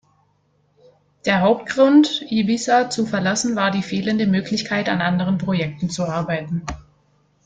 Der Hauptgrund, Ibiza zu verlassen, war die fehlende Möglichkeit an anderen Projekten zu arbeiten.